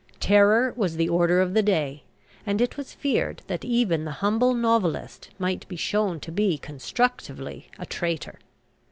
Terror was the order of the day; and it was feared that even the humble novelist might be shown to be constructively a traitor.